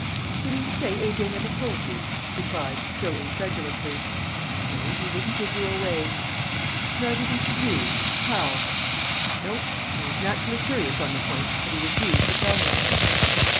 "Do you mean to say A.J. never told you?" he cried, still incredulously. "No; he wouldn't give you away." "Not even to you his pal?" "No. I was naturally curious on the point. But he refused to tell me."